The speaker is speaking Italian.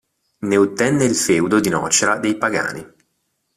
Ne ottenne il feudo di Nocera dei Pagani.